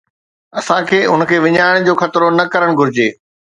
اسان کي ان کي وڃائڻ جو خطرو نه ڪرڻ گهرجي.